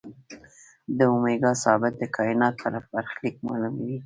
د اومېګا ثابت د کائنات برخلیک معلوموي.